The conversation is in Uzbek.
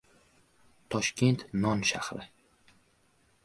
— “Toshkent — non shahri”…